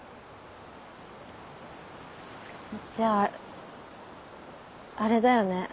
じゃああれだよね